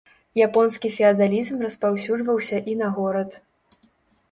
Японскі феадалізм распаўсюджваўся і на горад.